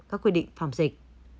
các quy định phòng dịch